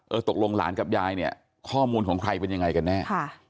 ตกลงหลานกับยายเนี่ยข้อมูลของใครเป็นยังไงกันแน่